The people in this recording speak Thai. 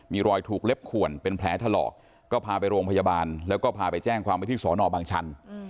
มีรอยถูกเล็บขวนเป็นแผลถลอกก็พาไปโรงพยาบาลแล้วก็พาไปแจ้งความไว้ที่สอนอบางชัน